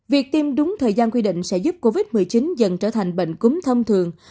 việc tiêm đúng thời gian quy định sẽ giúp covid một mươi chín dần trở thành bệnh cúm thông thường